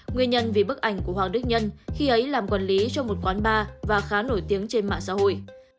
nguyên nhân vì bức ảnh của hoàng đức nhân khi ấy làm quản lý cho một quán bar và khá nổi tiếng trên mạng xã hội